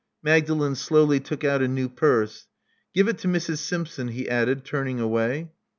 Magdalen slowly took out a new purse. ''Give it to Mrs. Simp son," he added, turning away.